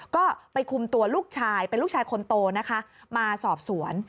ก็ไปคุมตัวลูกชายเป็นลูกชายคนโตนะคะมาสอบสวน